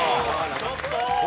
ちょっと！